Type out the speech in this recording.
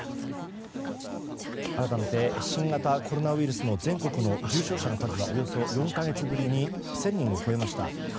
改めて、新型コロナウイルスの全国の重症者の数はおよそ４か月ぶりに１０００人を超えました。